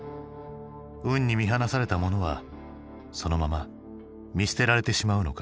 運に見放された者はそのまま見捨てられてしまうのか？